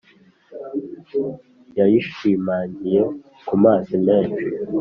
Yayishimangiye ku mazi menshi